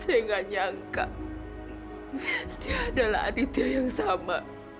saya nggak nyangka dia adalah aditya yang sama